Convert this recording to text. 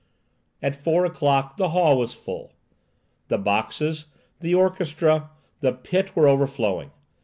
At four o'clock the hall was full. The boxes, the orchestra, the pit, were overflowing.